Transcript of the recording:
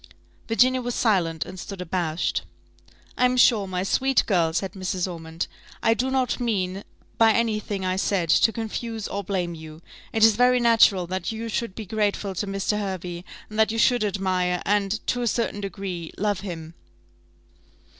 Virginia was silent, and stood abashed. "I am sure, my sweet girl," said Mrs. Ormond, "I do not mean, by any thing I said, to confuse or blame you. It is very natural that you should be grateful to Mr. Hervey, and that you should admire, and, to a certain degree, love him."